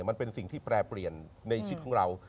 มันเป็นสิ่งที่แปรเปลี่ยนในชีวิตของเรา